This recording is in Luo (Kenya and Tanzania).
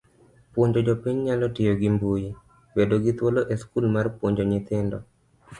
Puonjo jopiny nyalo tiyo gi mbui, bedo gi thuolo e skul mar puonjo nyithindo.